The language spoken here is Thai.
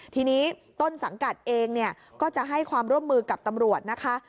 ทีนี้ต้นสังกัดเองเนี่ยก็จะให้ความร่วมมือกับตำรวจนะคะ